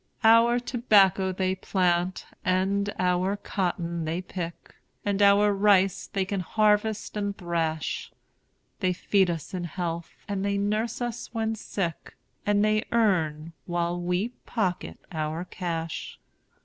Our tobacco they plant, and our cotton they pick, And our rice they can harvest and thrash; They feed us in health, and they nurse us when sick, And they earn while we pocket our cash.